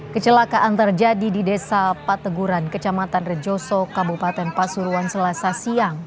kecelakaan terjadi di desa pateguran kecamatan rejoso kabupaten pasuruan selasa siang